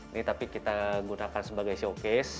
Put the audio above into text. ini tapi kita gunakan sebagai showcase